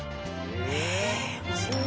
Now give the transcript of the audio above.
へえ面白い。